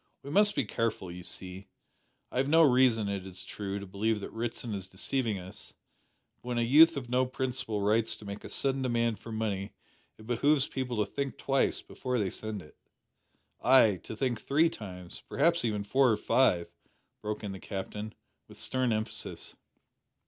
We must be careful, you see. I have no reason, it is true, to believe that Ritson is deceiving us, but when a youth of no principle writes to make a sudden demand for money, it behoves people to think twice before they send it." "Ay, to think three times perhaps even four or five," broke in the Captain, with stern emphasis.